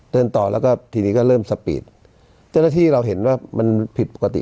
เดินต่อแล้วก็ทีนี้ก็เริ่มสปีดเจ้าหน้าที่เราเห็นว่ามันผิดปกติ